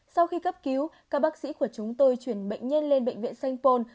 sau khi cấp cứu các bác sĩ của chúng tôi chuyển bệnh nhân lên bệnh viện st paul